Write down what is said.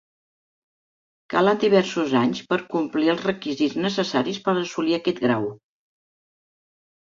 Calen diversos anys per complir els requisits necessaris per assolir aquest grau.